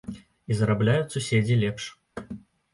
І зарабляюць суседзі лепш.